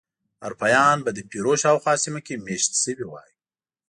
اروپایان به د پیرو شاوخوا سیمو کې مېشت شوي وای.